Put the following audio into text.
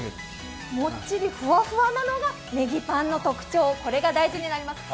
もっちりふわふわなのがネギパンの特徴になります。